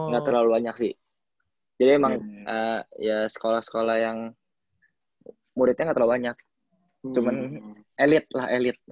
nggak terlalu banyak sih jadi emang ya sekolah sekolah yang muridnya nggak terlalu banyak cuman elit lah elit